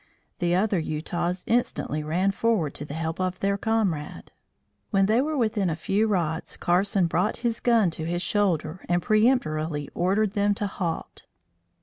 The other Utahs instantly ran forward to the help of their comrade. When they were within a few rods, Carson brought his gun to his shoulder and peremptorily ordered them to halt.